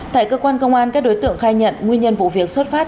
tại cơ quan công an các đối tượng khai nhận nguyên nhân vụ việc xuất phát